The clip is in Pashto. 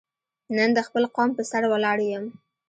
نن د خپل قوم په سر ولاړ یم.